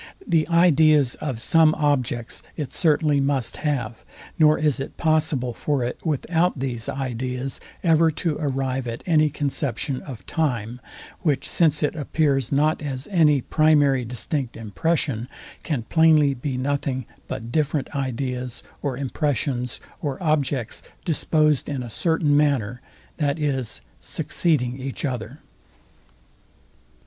The ideas of some objects it certainly must have, nor is it possible for it without these ideas ever to arrive at any conception of time; which since it, appears not as any primary distinct impression, can plainly be nothing but different ideas, or impressions, or objects disposed in a certain manner, that is, succeeding each other.